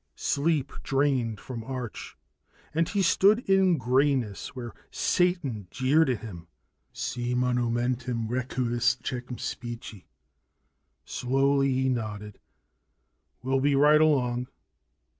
Sleep drained from Arch and he stood in a grayness where Satan jeered at him: "Si monumentum requiris, circumspice!" Slowly, he nodded. "We'll be right along."